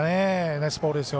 ナイスボールですよ。